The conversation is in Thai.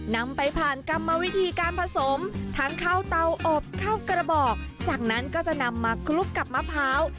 นำไปผ่านกรรมวิธีการผสมทั้งข้าวเตาอบข้าวกระบอกจากนั้นก็จะนำมาคลุกกับมะพร้าว